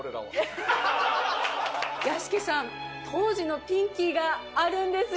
屋敷さん当時のピンキーがあるんです。